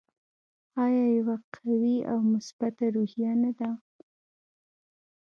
آیا یوه قوي او مثبته روحیه نه ده؟